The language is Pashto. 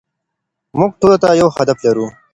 موږ ټولو ته يو هدف لرو.